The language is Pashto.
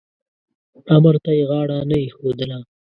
امر ته یې غاړه نه ایښودله.